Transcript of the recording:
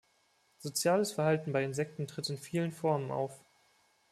Soziales Verhalten bei Insekten tritt in vielen Formen auf.